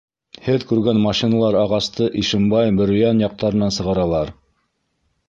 Һеҙ күргән машиналар ағасты Ишембай, Бөрйән яҡтарынан сығаралыр.